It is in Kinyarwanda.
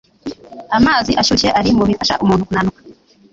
Amazi ashyuye ari mubifasha umuntu kunanuka